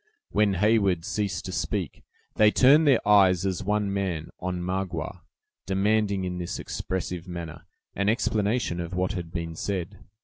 When Heyward ceased to speak, they turned their eyes, as one man, on Magua, demanding, in this expressive manner, an explanation of what had been said.